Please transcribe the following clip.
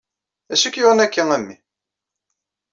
D acu i k-yuɣen akka a mmi?